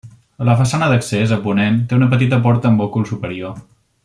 La façana d'accés, a ponent, té una petita porta amb òcul superior.